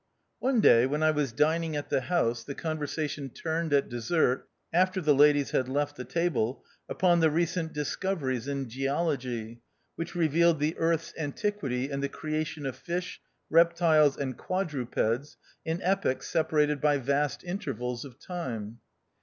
One day when I was dining at the house the conversation turned at dessert, after the ladies had left the table, upon the recent discoveries in geology, which revealed the earth's antiquity and the creation of fish, reptiles, and quadrupeds in epochs separated by vast intervals of time.